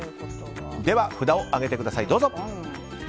では札を上げてください。